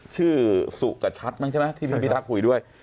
ชื่อสุกัดชัดมั้งใช่มั้ยที่พี่พิทักษ์คุยด้วย